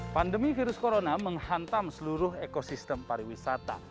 pandemi virus corona menghantam seluruh ekosistem pariwisata